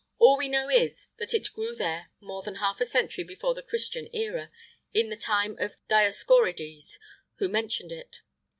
All we know is, that it grew there more than half a century before the Christian era, in the time of Dioscorides, who mentioned it.